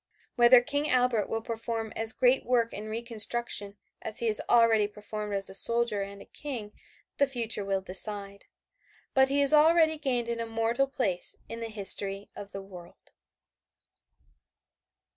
Whether King Albert will perform as great work in reconstruction as he has already performed as a soldier and a King the future will decide, but he has already gained an immortal place in the history of the world.